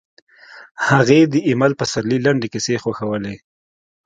هغې د ایمل پسرلي لنډې کیسې خوښولې